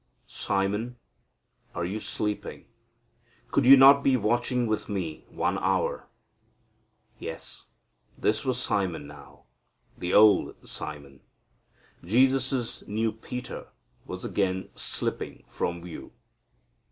"Simon, are you sleeping? Could you not be watching with me one hour?" Yes, this was Simon now, the old Simon. Jesus' new Peter was again slipping from view.